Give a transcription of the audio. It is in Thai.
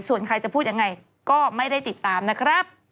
ส่วนใครจะพูดยังไงก็ไม่ได้ติดตามนะครับ